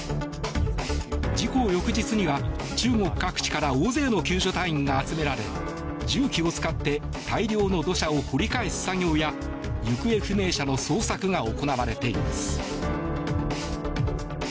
事故翌日には、中国各地から大勢の救助隊員が集められ重機を使って大量の土砂を掘り返す作業や行方不明者の捜索が行われています。